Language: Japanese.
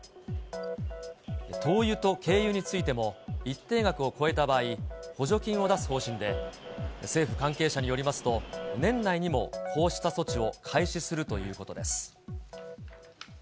灯油と軽油についても、一定額を超えた場合、補助金を出す方針で、政府関係者によりますと、年内にもこうした措置を開始するということです。